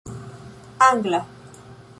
angla